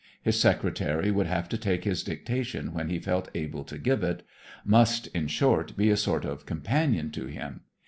His secretary would have to take his dictation when he felt able to give it; must, in short, be a sort of companion to him.